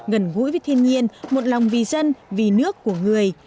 gần gũi với thiên nhiên một lòng vì dân vì nước của người